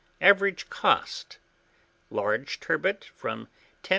Average cost, large turbot, from 10s.